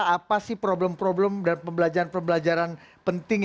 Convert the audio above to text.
apa sih problem problem dan pembelajaran pembelajaran penting